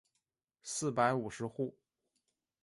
四百五十户。